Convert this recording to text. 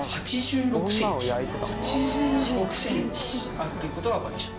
あるということが分かりました。